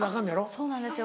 そうなんですよ。